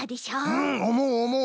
うんおもうおもう。